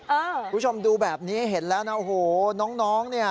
คุณผู้ชมดูแบบนี้เห็นแล้วนะโอ้โหน้องน้องเนี่ย